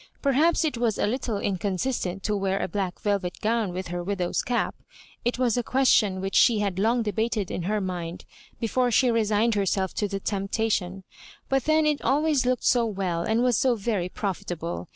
Perhaps it was a httle in consistent to wear a black velvet gown with her widow's cap— it was a question which she had long debated in her mind before she resigned her self to the temptation — ^but then it always looked so well, and was so very profitable!